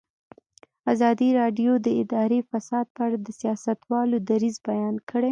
ازادي راډیو د اداري فساد په اړه د سیاستوالو دریځ بیان کړی.